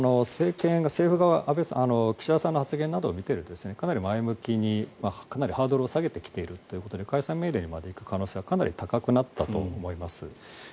政府側、岸田さんの発言などを見てみますとかなり前向きにかなりハードルを下げてきているということで解散命令にまで行く可能性はかなり高くなったと思います。